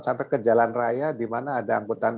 sampai ke jalan raya di mana ada angkutan